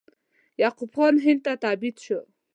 یعقوب خان هند ته تبعید شو.